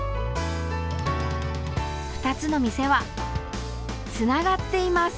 ２つの店は、つながっています。